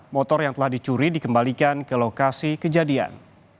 motor yang telah dicuri dikembalikan ke lokasi kejadian